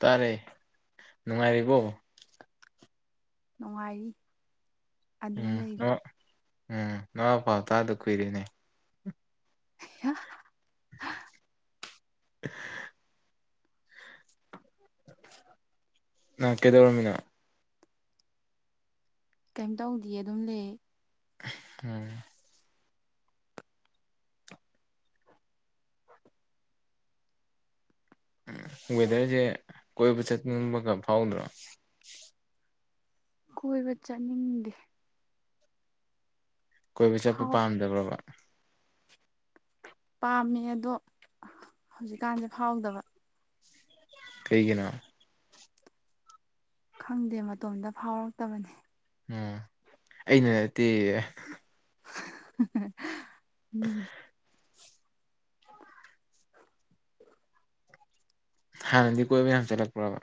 ꯇꯥꯔꯦ ꯅꯨꯡꯉꯥꯏꯔꯤꯕꯣ ꯅꯨꯡꯉꯥꯏ ꯎꯝ ꯎꯝ ꯅꯃ ꯄꯥꯎ ꯇꯥꯗ ꯀꯨꯏꯔꯦꯅꯦ ꯌꯥ [unintelligible] ꯅꯪ ꯀꯩꯗꯧꯔꯃꯤꯅ ꯀꯩꯝ ꯇꯧꯗꯤ ꯑꯗꯨꯝ ꯂꯩ ꯎꯝ ꯎꯝ ꯋꯦꯗꯔꯁꯦ ꯀꯣꯏꯕ ꯆꯠꯅꯤꯡꯕꯒ ꯐꯥꯎꯗ꯭ꯔꯣ ꯀꯣꯏꯕ ꯆꯠꯅꯤꯡꯗꯦ ꯀꯣꯏꯕ ꯆꯠꯄ ꯐꯥꯎ ꯄꯥꯝꯗꯕ꯭ꯔꯕ ꯄꯥꯝꯃꯦ ꯑꯗꯣ ꯍꯧꯖꯤꯛꯀꯥꯟꯁꯦ ꯐꯥꯎꯗꯕ ꯀꯩꯒꯤꯅ ꯈꯪꯗꯦ ꯃꯇꯣꯝꯇ ꯐꯥꯎꯔꯛꯇꯕꯅꯤ ꯎꯝ ꯑꯩꯅꯠꯇꯦ ꯎꯝ ꯍꯥꯟꯅꯗꯤ ꯀꯣꯏꯕ ꯌꯥꯝ ꯆꯠꯂꯛꯄ꯭ꯔꯕ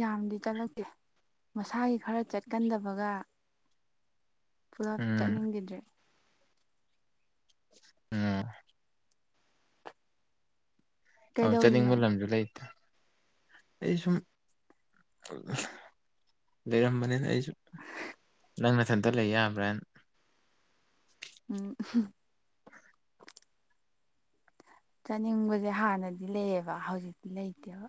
ꯌꯥꯝꯗꯤ ꯆꯠꯂꯛꯇꯦ ꯃꯁꯥꯒꯤ ꯈꯔ ꯆꯠꯀꯟꯗꯕꯒ ꯄꯨꯂꯞ ꯎꯝ ꯆꯠꯅꯤꯡꯈꯤꯗ꯭ꯔꯦ ꯎꯝ ꯑꯧ ꯀꯩꯗꯧꯔꯤꯅꯣ ꯆꯠꯅꯤꯡꯕ ꯂꯝꯁꯨ ꯂꯩꯇꯦ ꯑꯩ ꯁꯨꯝ ꯂꯩꯔꯝꯕꯅꯤꯅ ꯑꯩꯁꯨꯨꯝ ꯅꯪ ꯃꯊꯟꯇ ꯂꯩ ꯌꯥꯕ꯭ꯔꯥꯅ ꯎꯝ ꯆꯥꯅꯤꯡꯕꯁꯦ ꯍꯥꯟꯅꯗꯤ ꯂꯩꯌꯦꯕ ꯍꯧꯖꯤꯛꯇꯤ ꯂꯩꯇꯦꯕ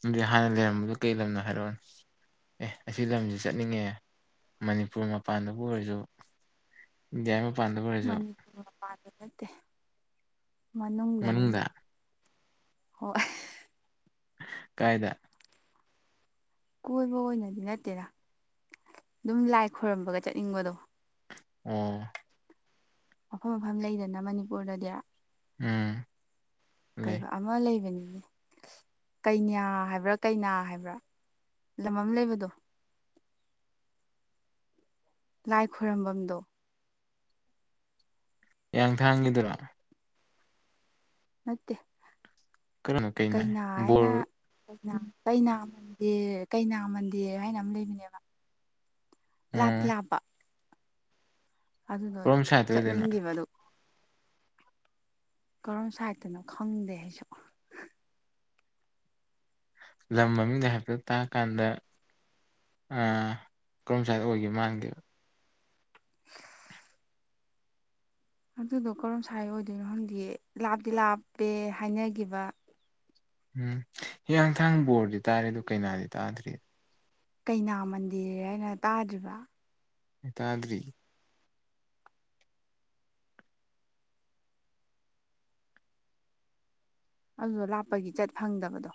ꯑꯗꯨꯗꯤ ꯍꯥꯟꯅ ꯂꯩꯔꯝꯕꯗꯨꯣ ꯀꯩ ꯂꯝꯅꯣ ꯍꯥꯏꯔꯛꯑꯣꯅ ꯑꯦ ꯑꯁꯤ ꯂꯝꯁꯤ ꯆꯠꯅꯤꯡꯉꯦ ꯃꯅꯤꯄꯨꯔ ꯃꯄꯥꯟꯗꯕꯨ ꯑꯣꯏꯔꯁꯨ ꯒ ꯃꯅꯤꯄꯨꯔ ꯃꯄꯥꯟꯗ ꯅꯠꯇꯦ ꯃꯅꯨꯡꯗꯅꯤ ꯃꯅꯨꯡꯗ ꯑꯗꯨꯝ ꯍꯣꯏ ꯀꯥꯏꯗ ꯀꯣꯏꯕ ꯑꯣꯏꯅꯗꯤ ꯅꯠꯇꯦꯗ ꯑꯗꯨꯝ ꯂꯥꯏ ꯈꯣꯏꯔꯝꯕꯒ ꯆꯠꯅꯤꯡꯕꯗꯣ ꯑꯣ ꯃꯐꯝ ꯃꯐꯝ ꯂꯩꯗꯅ ꯃꯅꯤꯄꯨꯔꯗꯗꯤ ꯎꯝ ꯂꯩ ꯀꯩꯕ ꯑꯃ ꯂꯩꯕꯅꯤꯅꯦ ꯀꯩꯌꯥ ꯍꯥꯏꯕ꯭ꯔꯥ ꯀꯩꯅꯥ ꯍꯥꯏꯕ꯭ꯔꯥ ꯂꯝꯝ ꯂꯩꯕꯗꯣ ꯂꯥꯏ ꯈꯔꯝꯕꯗ ꯌꯥꯌꯥꯡ ꯊꯥꯡꯉꯗꯔ ꯃꯦ ꯀꯔꯝꯕ ꯀꯩꯅꯣ ꯀꯩꯅꯥ ꯍꯥꯏꯅ ꯕꯣꯔ ꯀꯩꯟꯗ ꯀꯩꯅꯥ ꯃꯟꯗꯔ ꯍꯥꯏꯅ ꯑꯃ ꯂꯩꯕꯅꯦꯕ ꯂꯥꯞ ꯎꯝ ꯂꯥꯞꯄ ꯑꯗꯨꯗꯣ ꯀꯔꯣꯝ ꯁꯥꯏꯠꯇ ꯑꯣꯏꯗꯣꯏꯅꯣ ꯆꯠꯅꯤꯡꯈꯤꯕꯗꯨ ꯀꯔꯝ ꯁꯥꯏꯗꯅꯣ ꯈꯪꯗꯦ ꯑꯩꯁꯨ ꯂꯝ ꯃꯃꯤꯒ ꯍꯇ ꯇꯥꯛꯀꯥꯟꯗ ꯀꯔꯝ ꯁꯋꯥꯏꯗ ꯑꯣꯏꯒꯦ ꯃꯥꯟꯒꯦ ꯑꯗꯨꯗꯣ ꯀꯔꯝ ꯁꯥꯏ ꯑꯣꯏꯗꯣꯏꯅꯣ ꯈꯪꯗꯤ ꯂꯥꯞꯇ ꯂꯥꯞꯄꯦ ꯍꯥꯏꯅꯈꯤꯕ ꯎꯝ ꯍꯦꯌꯥꯡꯊꯥꯡ ꯕꯣꯔꯗꯤ ꯇꯥꯔꯦ ꯑꯗꯨ ꯀꯩꯅꯥꯗꯤ ꯇꯥꯗ꯭ꯔꯤ ꯀꯩꯅꯥ ꯃꯟꯗꯤꯔ ꯍꯥꯏꯅ ꯇꯥꯗ꯭ꯔꯤꯕ ꯍ ꯇꯗꯔꯤ ꯑꯗꯨꯗ ꯂꯥꯞꯄꯒꯤ ꯆꯠ ꯐꯪꯗꯕꯗꯣ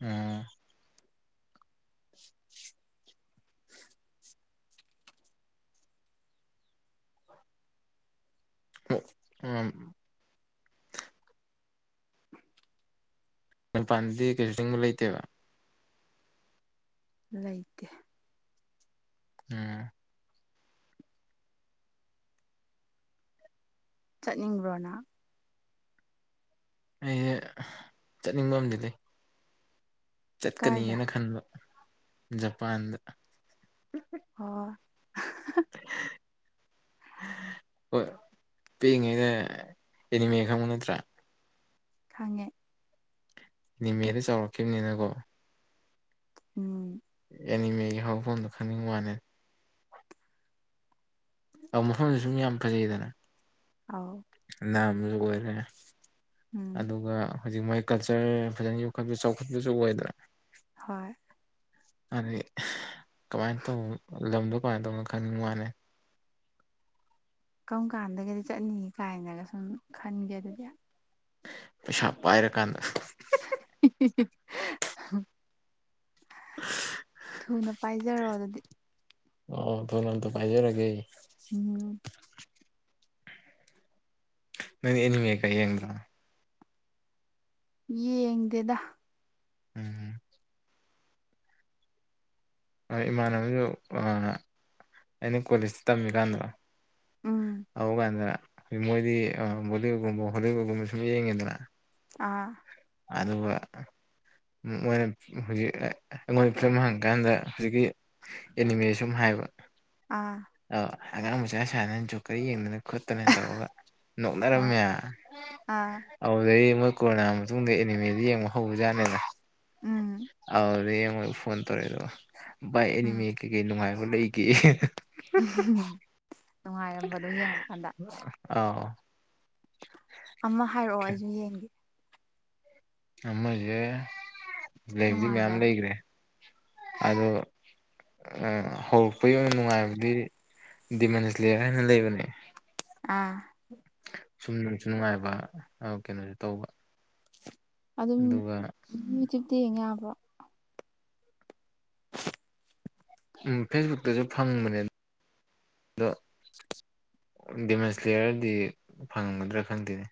ꯑꯝ [unintelligible] ꯎ ꯃ ꯄꯥꯟꯗꯤ ꯀꯩꯁꯨꯤꯡꯕ ꯂꯩꯇꯦꯕ ꯂꯩꯇꯦ ꯎꯝ ꯆꯠꯅꯤꯡꯕꯣꯅ ꯑꯩꯁꯦ ꯆꯠꯅꯤꯡꯕ ꯑꯝꯗꯤ ꯀꯥꯏꯗ ꯆꯠꯀꯅꯤꯅ ꯈꯟꯕ ꯖꯄꯥꯟꯗ ꯑꯣ ꯍꯣꯏ ꯄꯤꯛꯏꯉꯩꯗ ꯑꯦꯅꯤꯃꯦ ꯈꯪꯕꯨ ꯅꯠꯇ꯭ꯔꯥ ꯈꯪꯉꯦ ꯅꯤꯃꯦꯗ ꯆꯥꯎꯔꯛꯈꯤꯕꯅꯤꯅꯀꯣ ꯎꯝ ꯑꯦꯅꯤꯃꯦꯒꯤ ꯍꯧꯔꯐꯝꯗꯣ ꯈꯪꯅꯤꯡ ꯋꯥꯅꯦ ꯑ ꯃꯐꯝꯗ ꯁꯨꯝ ꯌꯥꯝ ꯐꯖꯩꯗꯅ ꯑꯥꯎ ꯅꯥꯝꯁꯨ ꯑꯣꯏꯔꯦ ꯑꯗꯨꯒ ꯍꯧꯖꯤꯛ ꯃꯣꯏ ꯀꯜꯆꯔ ꯐꯖꯅ ꯌꯣꯛꯈꯠꯄ ꯆꯥꯎꯈꯠꯄꯁꯨ ꯑꯣꯏꯗꯅ ꯍꯣꯏ ꯑꯗꯤ ꯀꯃꯥꯏꯅ ꯇꯧꯅꯣ ꯂꯝꯗꯣ ꯀꯃꯥꯏꯅ ꯇꯧꯅꯣ ꯈꯪꯅꯤꯡꯕ ꯃꯥꯅꯤ ꯀꯔꯝ ꯀꯥꯟꯗꯒꯗꯤ ꯆꯠꯅꯤ ꯀꯥꯏꯅꯒ ꯁꯨꯝ ꯈꯟꯒꯦ ꯑꯗꯨꯗꯤ ꯄꯩꯁꯥ ꯄꯥꯏꯔꯀꯥꯟꯗ [unintelligible] [unintelligible] ꯊꯨꯅ ꯄꯥꯏꯖꯔꯣ ꯑꯗꯨꯗꯤ ꯑꯣ ꯇ ꯅꯇ ꯄꯖꯦꯔꯒꯦ ꯎꯝ ꯅ ꯑꯦꯅꯤꯃꯦꯀꯥꯏ ꯌꯦꯡꯗ ꯌꯦꯡꯗꯦꯗ ꯎꯝ ꯏꯃꯥꯟꯅꯕꯁꯨ ꯑꯩꯅ ꯀꯣꯂꯦꯖꯇ ꯇꯝꯃꯤꯀꯥꯟꯗ ꯎꯝ ꯍꯒꯗ꯭ꯔ ꯃꯣꯏꯗꯤ ꯕꯣꯂꯤꯋꯨꯗꯀꯨꯝꯕ ꯍꯣꯂꯤꯋꯨꯗꯀꯨꯝꯕ ꯁꯨꯝ ꯌꯦꯡꯉꯦꯗꯅ ꯑꯥ ꯑꯗꯨꯒꯕ ꯃꯣꯏꯅ ꯍꯧꯖꯤꯛ ꯑꯩꯉꯣꯟꯗ ꯐꯤꯂꯝ ꯍꯪꯉꯀꯥꯟꯗ ꯍꯧꯖꯤꯛꯀꯤ ꯑꯦꯅꯤꯃꯦ ꯁꯨꯝ ꯍꯥꯏꯕ ꯑꯥ ꯑꯧ ꯑꯉꯥꯡ ꯃꯆꯥ ꯁꯅꯅꯁꯨ ꯀꯔꯤ ꯌꯦꯡꯗꯅ ꯈꯣꯠꯇꯅꯦꯅ ꯇꯧꯔꯒ ꯑ ꯅꯣꯛꯅꯔꯝꯃꯦ ꯑꯥ ꯑꯗꯨꯩ ꯀꯣꯔꯣꯅꯥ ꯃꯇꯨꯡꯗ ꯑꯦꯅꯤꯃꯦꯗ ꯌꯦꯡꯕ ꯍꯧꯕꯖꯥꯠꯅꯤꯅ ꯎꯝ ꯃꯣꯏ ꯐꯣꯟ ꯇꯧꯔꯛꯑꯦ ꯑꯗꯣ ꯕꯥꯏ ꯎꯝ ꯑꯦꯅꯤꯃꯦ ꯀꯩꯀꯩ ꯅꯨꯡꯉꯥꯏꯕ ꯂꯩꯒꯦ ꯅꯨꯡꯉꯥꯏꯔꯝꯕꯗꯣ ꯌꯦꯡꯉꯀꯥꯟꯗ ꯑ ꯑꯃ ꯍꯥꯏꯔꯛꯑꯣ ꯑꯩꯁꯨ ꯌꯦꯡꯒꯦ ꯑꯃꯁꯦ ꯂꯩꯗꯤ ꯃꯌꯥꯝ ꯅꯨꯡꯉꯥꯏꯕ ꯑꯃ ꯂꯩꯈ꯭ꯔꯦ ꯑꯗꯣ ꯍꯧꯔꯛꯄꯒꯤ ꯑꯣꯏꯅ ꯅꯨꯡꯉꯥꯏꯕꯗꯤ ꯗꯤꯃꯦꯟꯁ ꯂꯦꯌꯔ ꯍꯥꯏꯅ ꯂꯩꯕꯅꯦ ꯑꯥ ꯁꯨꯝ ꯅꯨꯡꯁꯨ ꯅꯨꯡꯉꯥꯏꯕ ꯀꯩꯅꯣꯁꯨ ꯇꯧꯕ ꯑꯗꯨꯝ ꯑꯗꯨꯒ ꯌꯨꯇ꯭ꯌꯕꯇ ꯌꯦꯡꯕ꯭ꯔꯣ ꯎꯝ ꯐꯦꯁꯕꯨꯛꯇꯁꯨ ꯐꯪꯕꯅꯦ ꯑꯗꯣ ꯗꯦꯃꯦꯖ ꯂ꯭ꯂꯦꯌꯔꯗꯤ ꯐꯪꯉꯝꯒꯗ꯭ꯔꯥ ꯈꯪꯗꯦꯅꯦ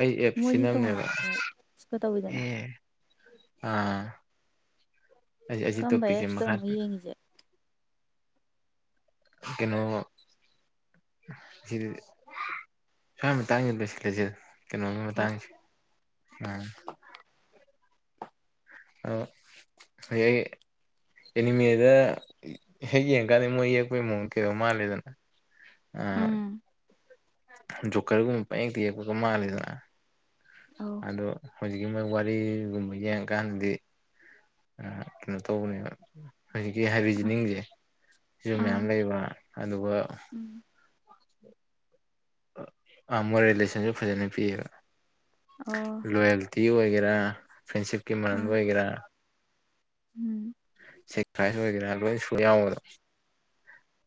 ꯑꯩ ꯑꯦꯞ ꯃꯣꯏꯗꯤ ꯁꯤꯅꯝꯅꯦꯕ ꯇꯣꯉꯥꯟꯕ ꯑꯦꯞꯁꯀ ꯇꯧꯋꯤꯗꯅ ꯑꯦ ꯑꯥ ꯑꯩ ꯀꯔꯝꯕ ꯇꯣꯄꯤꯤꯛꯦ ꯃꯈꯥ ꯑꯦꯞꯁꯇꯅꯣ ꯌꯦꯡꯉꯤꯁꯦ ꯀꯩꯅꯣ ꯁꯤ ꯁ꯭ ꯑꯃ ꯇꯥꯡꯉꯁꯂ ꯁꯤ ꯀꯩꯅꯣꯝ ꯍꯣꯏ ꯃꯇꯥꯡꯁꯤ ꯑ ꯑ ꯍꯌꯦ ꯑꯦꯅꯤꯃꯦꯗ ꯍꯦꯛ ꯌꯦꯡꯀꯥꯟꯗ ꯃꯣꯏ ꯌꯦꯛꯄꯒꯤ ꯃꯑꯣꯡ ꯀꯩꯗꯧ ꯃꯥꯜꯂꯦꯗꯅ ꯑ ꯎꯝ ꯖꯣꯀꯔꯒꯨꯝꯕ ꯄꯌꯦꯛꯇ ꯌꯦꯛꯄꯒ ꯃꯥꯜꯂꯤꯦꯗꯅ ꯑꯧ ꯑꯗꯣ ꯍꯧꯖꯤꯛꯀꯤ ꯃꯣꯏ ꯋꯥꯔꯤꯒꯨꯝꯕ ꯌꯦꯡꯉꯀꯥꯟꯗꯗꯤ ꯀꯩꯅꯣ ꯇꯧꯕꯅꯦꯕ ꯍꯧꯖꯤꯛꯀꯤ ꯑꯥ ꯍꯥꯏꯔꯤꯖꯅꯤꯡꯁꯦ ꯁꯤꯁꯨ ꯑꯥ ꯃꯌꯥꯝ ꯂꯩꯕ ꯑꯗꯨꯒ ꯎꯝ ꯃꯣꯏ ꯔꯤꯂꯦꯁꯟꯁꯨ ꯐꯖꯅ ꯄꯤꯌꯦꯕ ꯑꯣ ꯂꯣꯌꯦꯜꯇꯤ ꯑꯣꯏꯒꯦꯔꯥ ꯐ꯭ꯔꯦꯟꯁꯤꯞꯀꯤ ꯃꯔꯗ ꯑꯥ ꯑꯣꯏꯒꯦꯔꯥ ꯎꯝ ꯁꯦꯀ꯭ꯔꯤꯐꯥꯏꯁ ꯑꯣꯏꯒꯦꯔꯥ ꯂꯣꯏ ꯁꯨ ꯌꯥꯎꯕꯗꯣ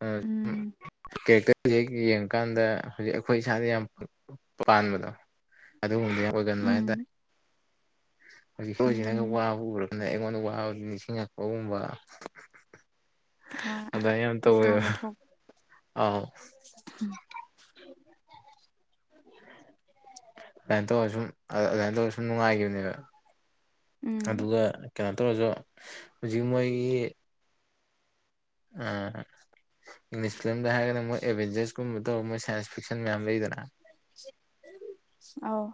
ꯑ ꯎꯝ ꯀꯦꯀ ꯍꯧꯖꯤꯦꯛ ꯌꯦꯡꯀꯥꯟꯗ ꯍꯧꯖꯤꯛ ꯑꯩꯈꯣꯏ ꯏꯁꯥꯗ ꯌꯥꯝ ꯄꯥꯟꯕꯗꯣ ꯑꯗꯨꯒꯨꯝꯕꯅ ꯑꯣꯏꯒꯟꯕ ꯎꯝ ꯍꯥꯏꯇꯥꯔꯦ ꯍꯧꯖꯤꯛꯐ ꯍꯧꯖꯤꯛꯅꯒ ꯎꯝ ꯋꯥꯕ ꯎꯔ ꯑꯗ ꯑꯩꯉꯣꯟꯗ ꯋꯥꯕꯗꯤ ꯅꯤꯡꯁꯤꯡꯉꯛꯄꯒꯨꯝꯕ ꯑꯥ ꯑꯗ ꯑ ꯌꯥꯝ ꯏꯁꯥꯗ ꯊꯣꯛ ꯑ ꯑꯗꯨꯃꯥꯏꯅ ꯇꯧꯔ ꯁꯨꯝ ꯑꯗꯨꯃꯥꯏꯅ ꯇꯧꯔ ꯁꯨꯝ ꯅꯨꯡꯉꯥꯏꯈꯤꯕꯅꯦꯕ ꯎꯝ ꯑꯗꯨꯒ ꯀꯩꯅꯣ ꯇꯧꯔꯁꯨ ꯍꯧꯖꯤꯛ ꯃꯣꯏꯒꯤ ꯑ ꯏꯪꯂꯤꯁ ꯐꯤꯂꯝꯗ ꯍꯥꯏꯔꯒꯅ ꯃꯣꯏ ꯑꯦꯚꯦꯟꯖꯔꯁꯀꯨꯝꯕ ꯇꯧꯕ ꯃꯣꯏ ꯁꯥꯏꯟꯁ ꯐꯤꯛꯁꯟ ꯃꯌꯥꯝ ꯂꯩꯗꯅ [unintelligible] ꯑꯥꯎ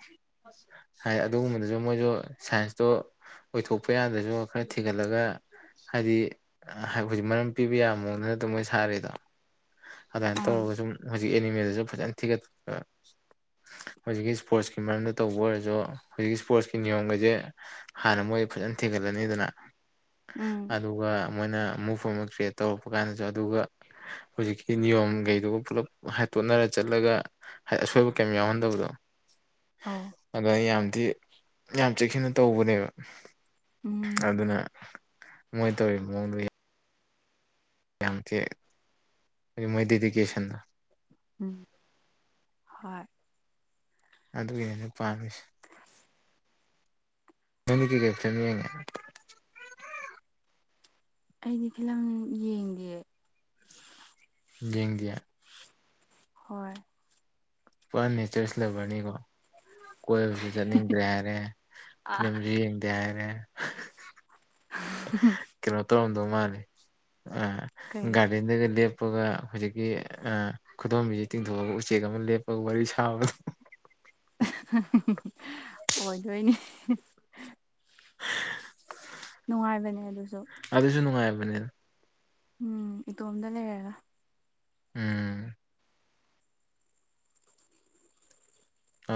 ꯍꯥꯏ ꯑꯗꯨꯒꯨꯝꯕꯗꯁꯨ ꯃꯣꯏꯁꯨ ꯁꯥꯏꯟꯁꯇꯣ ꯑꯣꯏꯊꯣꯛꯄ ꯌꯥꯗ꯭ꯔꯁꯨ ꯈꯔ ꯊꯤꯒꯠꯂꯒ ꯍꯥꯏꯗꯤ ꯍꯧꯖꯤꯛ ꯃꯔꯝ ꯄꯤꯕ ꯌꯥꯃꯣ ꯅꯠꯇ ꯃꯣꯏ ꯁꯥꯔꯤꯦꯗꯣ ꯑꯗꯨꯃꯥꯏꯅ ꯑꯥ ꯇꯧꯔꯒ ꯁꯨꯝ ꯍꯧꯖꯤꯛ ꯑꯦꯅꯤꯃꯦꯜꯁ ꯐꯖꯅ ꯊꯤꯒꯠꯄ ꯍꯧꯖꯤꯛꯀꯤ ꯏꯁꯄꯣꯔꯠꯁꯀꯤ ꯃꯔꯝꯗ ꯇꯧꯕ ꯑꯣꯏꯔꯁꯨ ꯍꯧꯖꯤꯛ ꯏꯁꯄꯣꯔꯠꯁꯀꯤ ꯅꯤꯌꯣꯝꯒꯁꯦ ꯍꯥꯟꯅ ꯃꯣꯏ ꯐꯖꯅ ꯊꯦꯡꯒꯠꯂꯅꯤꯗꯅ ꯎꯝ ꯑꯗꯨꯒ ꯃꯣꯏꯅ ꯑꯃꯨꯐ ꯀ꯭ꯔꯤꯌꯦꯠ ꯇꯧꯔꯛꯄ ꯀꯥꯟꯗꯁꯨ ꯑꯗꯨꯒ ꯍꯧꯖꯤꯛꯀꯤ ꯅꯤꯌꯣꯝꯒꯩꯗꯨꯒ ꯄꯨꯂꯞ ꯍꯥꯏꯠꯇꯣꯠꯅꯔ ꯆꯠꯂꯒ ꯍꯥꯏꯗꯤ ꯑꯁꯣꯏꯕ ꯀꯔꯤꯝ ꯌꯥꯎꯍꯟꯗꯕꯗꯣ ꯍ ꯑꯗ ꯑꯩ ꯌꯥꯝꯗꯤ ꯌꯥꯝ ꯆꯦꯛꯁꯤꯟꯅ ꯇꯧꯕꯅꯦꯕ ꯎꯝ ꯑꯗꯨꯅ ꯃꯣꯏ ꯇꯧꯔꯤꯕ ꯃꯑꯣꯡꯗꯨ ꯌꯥꯝ ꯊꯤ ꯃꯣꯏ ꯗꯦꯗꯤꯀꯦꯁꯟꯅ ꯎꯝ ꯍꯣꯏ ꯑꯗꯨꯒꯤꯅꯦꯅ ꯄꯥꯝꯃꯤꯁꯦ ꯃꯅꯤꯗꯤ ꯀꯦꯁ ꯃꯤ ꯌꯥꯉ ꯑꯩꯗꯤ ꯐꯤꯂꯝ ꯌꯦꯡꯒꯦ ꯌꯦꯡꯒꯌꯥ ꯍꯣꯏ ꯐ ꯅꯦꯆꯔꯁꯤ ꯂꯩꯕꯅꯤꯀꯣ ꯀꯣꯏꯕꯁꯨ ꯆꯠꯅꯤꯡꯗ꯭ꯔꯦ ꯍꯥꯏꯔꯦ ꯑꯥ ꯐꯤꯂꯝꯁꯨ ꯌꯦꯡꯗꯦ ꯍꯥꯏꯔꯦ ꯀꯩꯅꯣ ꯇꯧꯣꯡꯗꯧ ꯃꯥꯅꯤꯦ ꯑ ꯀꯩ ꯒꯥꯔꯤꯒ ꯂꯞꯄꯒ ꯍꯧꯨꯖꯤꯛꯀꯤ ꯈꯨꯗꯣꯝꯕꯤꯁ ꯇꯤꯡꯊꯣꯛꯑꯒ ꯎꯆꯦꯛ ꯑꯃ ꯂꯦꯞꯄꯒ ꯋꯥꯔꯤ ꯁꯥꯕꯒ ꯑꯣꯏꯗꯣꯏꯅꯦ ꯅꯨꯡꯉꯥꯏꯕꯅꯦ ꯑꯗꯨꯁꯨ ꯑꯗꯨꯁꯨ ꯅꯨꯡꯉꯥꯏꯕꯅꯤꯅ ꯎꯝ ꯏꯇꯣꯝꯗ ꯂꯩꯔꯒ ꯎꯝ ꯑ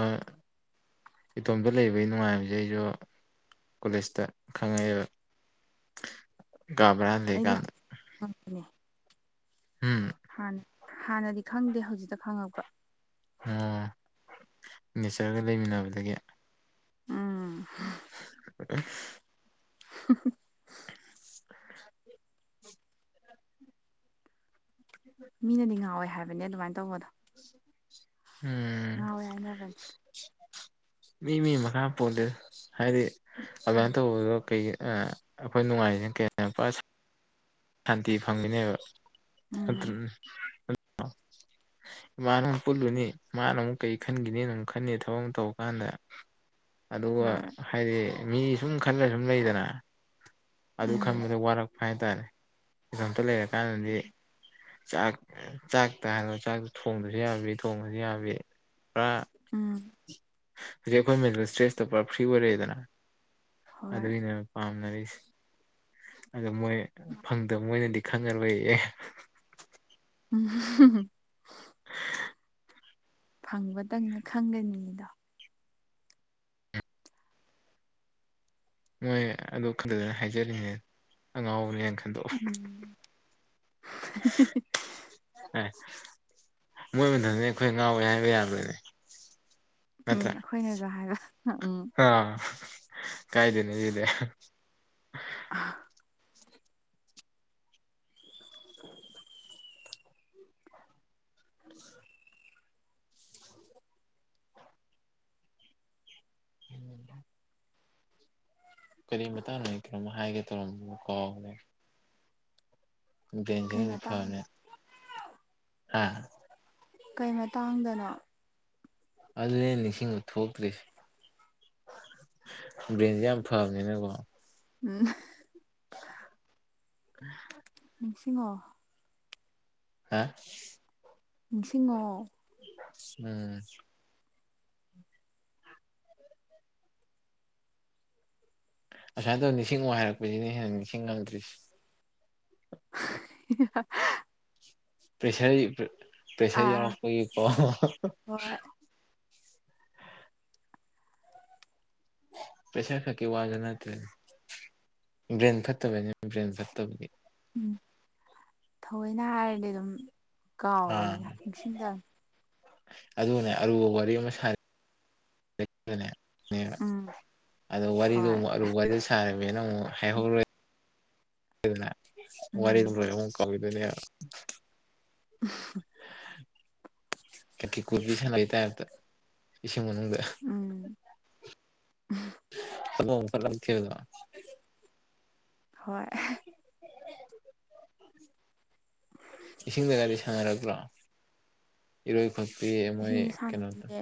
ꯏꯇꯣꯝꯇ ꯂꯩꯕꯒꯤ ꯅꯨꯡꯉꯥꯏꯕꯁꯦ ꯑꯩꯁꯨ ꯀꯣꯂꯦꯖꯇ ꯈꯪꯉꯛꯑꯦꯕ [unintelligible] ꯀꯥꯕꯔꯗ ꯑꯩꯗꯤ ꯀꯥꯟꯗ ꯎꯝ ꯥꯟ ꯍꯥꯟꯅꯗꯤ ꯈꯪꯗꯦ ꯍꯧꯖꯤꯛꯇ ꯈꯪꯉꯛꯄ ꯑꯣ ꯅꯦꯆꯔꯒ ꯂꯩꯃꯤꯟꯅꯕꯗꯒꯤ ꯎꯝ [unintelligible] [unintelligible] [unintelligible] ꯃꯤꯅꯗꯤ ꯉꯥꯎꯋꯦ ꯍꯥꯏꯕꯅꯦ ꯑꯗꯨꯃꯥꯏꯅ ꯇꯧꯕꯗꯣ ꯎꯝ ꯍ ꯍꯥꯏꯅꯕꯅꯦ ꯃꯤ ꯃꯤ ꯃꯈꯥ ꯄꯣꯜꯂꯤꯦ ꯍꯥꯏꯗꯤ ꯑꯗꯨꯃꯥꯏꯅ ꯇꯧꯕꯗꯣ ꯀꯩ ꯑꯩꯈꯣꯏ ꯅꯨꯡꯉꯥꯏꯁꯤꯅ ꯀꯦꯄꯥꯁꯤ ꯁꯥꯟꯇꯤ ꯐꯪꯉꯤꯅꯦꯕꯠꯇ ꯎꯝ ꯏꯃꯅ ꯑꯃꯨꯛ ꯄꯨꯜꯂꯨꯅꯤ ꯃꯥꯅ ꯑꯃꯨꯛ ꯀꯔꯤ ꯈꯟꯈꯤꯅꯤꯅ ꯑꯃꯨꯛ ꯈꯟꯅꯤ ꯊꯕꯛ ꯇꯧꯔ ꯀꯥꯟꯗ ꯑꯗꯨꯒ ꯍꯣꯏ ꯍꯥꯏꯗꯤ ꯃꯤ ꯁꯨꯝ ꯈꯜꯂ ꯁꯨꯝ ꯂꯩꯗꯅ ꯑꯗꯨ ꯎꯝ ꯈꯟꯕꯗꯣ ꯋꯥꯔꯛꯄ ꯍꯥꯏꯇꯥꯥꯔꯦ ꯀꯣꯝꯇ ꯂꯩꯔꯀꯥꯟꯗꯗꯤ ꯆꯥꯛ ꯆꯥꯛꯇ ꯍꯥꯏ ꯆꯥꯛꯇ ꯊꯣꯡꯕꯁꯨ ꯌꯥꯕꯤ ꯊꯣꯡꯕꯁꯨ ꯌꯥꯕꯤ ꯄꯨꯔꯥ ꯑꯝ ꯍꯧꯖꯤꯛ ꯑꯩꯈꯣꯏ ꯃꯦꯟꯇꯦꯜ ꯏꯁꯇ꯭ꯔꯦꯁꯇꯣ ꯄꯨꯔꯥ ꯐ꯭ꯔꯤ ꯑꯣꯏꯔꯛꯑꯦꯗꯅ ꯍꯣꯏ ꯑꯗꯨꯒꯤꯅꯦ ꯄꯥꯝꯃꯦ ꯔꯤ ꯑꯗ ꯃꯣꯏ ꯐꯪꯗꯕ ꯃꯣꯏꯅꯗꯤ ꯈꯪꯉꯔꯣꯏ ꯑꯦ ꯎꯝ ꯐꯪꯕꯇꯪꯅ ꯈꯪꯒꯅꯤꯗꯣ ꯅꯣꯏ ꯑꯗꯨ ꯈꯛꯇꯗꯅ ꯍꯥꯏꯖꯔꯤꯅꯦ ꯑꯉꯥꯎꯕꯅꯦꯅ ꯈꯟꯗꯣꯛꯑꯣ ꯎꯝ ꯃꯣꯏ ꯃꯊꯅꯤ ꯑꯩꯈꯣꯏ ꯉꯥꯎꯋꯦ ꯍꯥꯏꯕ ꯌꯥꯗꯣꯏꯅꯦ ꯎꯝ ꯑꯩꯈꯣꯏꯅꯁꯨ ꯍꯥꯏꯕ ꯎꯝ ꯑꯥ ꯀꯥꯏꯗꯦꯅꯦ ꯏꯗꯦ ꯑ [inaudible] ꯎꯗ ꯀꯔꯤ ꯃꯇꯥꯡꯅꯣ ꯀꯝ ꯍꯥꯏꯒꯦ ꯇꯧꯔꯝꯕꯣ ꯀꯣ ꯀꯩ ꯃꯇꯥꯡ ꯁꯤꯐꯃꯦ ꯑ ꯀꯩ ꯃꯇꯥꯡꯗꯅꯣ ꯑꯗꯨꯅꯦ ꯅꯤꯡꯁꯤꯡꯕ ꯊꯣꯛꯇ꯭ꯔꯤꯁꯦ ꯕ꯭ꯔꯦꯟꯁꯦ ꯌꯥꯝ ꯐꯕꯅꯤꯅꯀꯣ ꯎꯝ ꯎꯝ ꯅꯤꯡꯁꯤꯡꯉꯣ ꯍꯥ ꯅꯤꯡꯁꯤꯡꯉꯣ ꯎꯝ ꯑꯁꯨꯃꯥꯏꯅ ꯇꯧ ꯅꯤꯡꯁꯤꯡ ꯋꯥꯏ ꯍꯥꯏꯔꯛꯄꯁꯤꯅꯤ ꯍꯦꯟꯅ ꯅꯤꯡꯁꯤꯡꯉꯝꯗ꯭ꯔꯤꯁꯤ [inaudible] ꯄ꯭ꯔꯦꯁꯔ ꯄ꯭ꯔꯦꯁꯔ ꯑꯥ ꯌꯥꯎꯔꯛꯄꯒꯤ ꯄ ꯍꯣꯏ ꯄꯩꯁꯥ ꯈꯀꯤ ꯋꯥꯒꯦ ꯅꯠꯇ ꯔꯦꯟ ꯐꯠꯇꯕꯅꯤ ꯒ꯭ꯔꯦꯟ ꯐꯠꯇꯕꯒꯤ ꯎꯝ ꯊꯑꯣꯏꯅ ꯍꯥꯏꯔꯗꯤ ꯑꯗꯨꯝ ꯀꯥꯎꯕꯅꯤ ꯑꯥ ꯑꯁꯨ ꯇ ꯑꯗꯨꯅꯦ ꯑꯔꯨꯕ ꯋꯥꯔꯤ ꯑꯃ ꯁꯥꯔꯤ ꯅꯦꯕ ꯎꯝ ꯑꯗꯣ ꯍꯣꯏ ꯋꯥꯔꯤꯗꯣꯨꯛ ꯑꯔꯨ ꯋꯥꯔꯤꯗꯨ ꯁꯥꯔꯦ ꯅ ꯑꯃꯨ ꯍꯩ ꯍꯧꯔꯣꯏ ꯗꯅ ꯋꯥꯔꯤ ꯎꯝ ꯂꯣꯏ ꯑꯃꯨꯛ ꯀꯥꯎꯏꯗꯣꯏꯅꯦ [inaudible] ꯀ ꯀꯤ ꯀꯨꯗꯤꯁ ꯂꯩ ꯇꯔ ꯎꯝ [inaudible] ꯍꯜꯂꯣꯁꯂꯝ ꯀꯗ ꯍꯣꯏ ꯏꯁꯤꯡꯗꯒꯥꯔꯤ ꯁꯥꯟꯅꯔꯛꯄ꯭ꯔꯥ ꯏꯔꯣꯏ ꯐꯄꯤ ꯃꯣꯏ ꯏꯁꯤꯡꯗ ꯀꯩꯅꯣ ꯇ ꯁꯥꯟꯅꯕꯤꯌꯦ